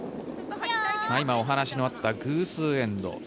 今、お話のあった偶数エンド。